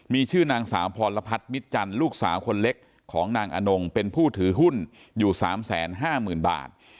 มีชื่อนางสาวพรพัฒนมิตจันทร์ลูกสาวคนเล็กของนางอนงเป็นผู้ถือหุ้นอยู่๓๕๐๐๐บาท